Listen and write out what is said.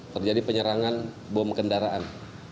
terjadi penyerangan bom kendaraan